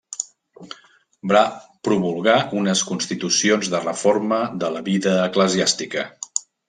Va promulgar unes constitucions de reforma de la vida eclesiàstica.